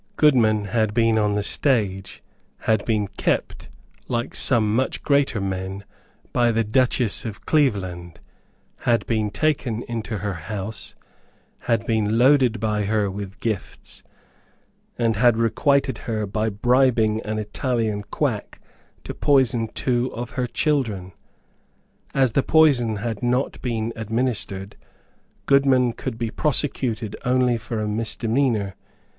Goodman had been on the stage, had been kept, like some much greater men, by the Duchess of Cleveland, had been taken into her house, had been loaded by her with gifts, and had requited her by bribing an Italian quack to poison two of her children. As the poison had not been administered, Goodman could be prosecuted only for a misdemeanour.